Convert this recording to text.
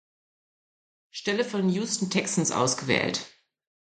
Stelle von den Houston Texans ausgewählt.